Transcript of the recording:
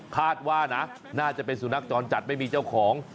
คาดว่านะน่าจะเป็นสุนัขจรจัดไม่มีเจ้าของ